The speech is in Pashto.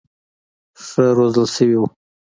ښه روزل شوي وو.